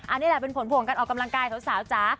อันนี้แหละเป็นผลพวงการออกกำลังกายสาวจ๋า